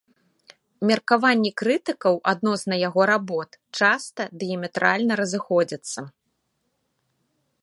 Меркаванні крытыкаў адносна яго работ часта дыяметральна разыходзяцца.